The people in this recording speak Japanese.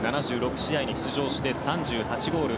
７６試合に出場して３８ゴール。